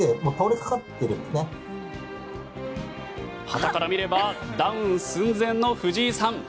はたから見ればダウン寸前の藤井さん。